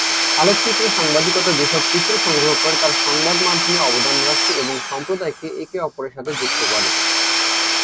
আলোকচিত্র সাংবাদিকতা যেসব চিত্র সংগ্রহ করে তার সংবাদ মাধ্যমে অবদান রাখে এবং সম্প্রদায়কে একে অপরের সাথে যুক্ত করে।